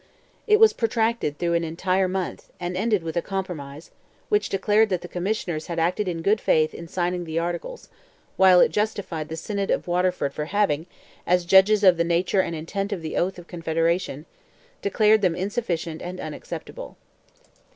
It was protracted through an entire month, and ended with a compromise, which declared that the Commissioners had acted in good faith in signing the articles, while it justified the Synod of Waterford for having, as judges of the nature and intent of the oath of Confederation, declared them insufficient and unacceptable.